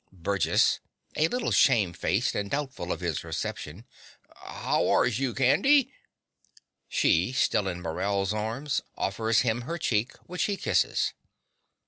BURGESS (a little shamefaced and doubtful of his reception). How ors you, Candy? (She, still in Morell's arms, offers him her cheek, which he kisses.)